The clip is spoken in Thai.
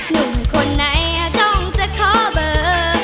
หนุ่มคนไหนต้องจะขอเบอร์